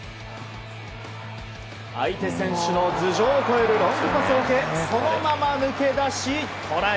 相手選手の頭上を越えるロングパスを受けそのまま抜け出し、トライ。